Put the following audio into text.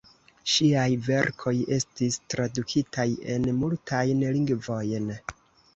Ŝiaj verkoj estis tradukitaj en multajn lingvojn.